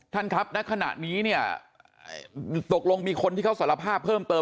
ท่านครับณขณะนี้เนี่ยตกลงมีคนที่เขาสารภาพเพิ่มเติม